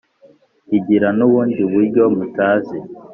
igira n’ubundi buryo mutazi,